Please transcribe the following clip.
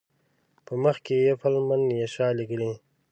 په مخ کې یفل من یشاء لیکي.